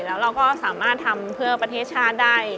แล้วเราก็สามารถทำเพื่อประเทศชาติได้